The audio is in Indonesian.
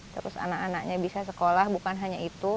terus anak anaknya bisa sekolah bukan hanya itu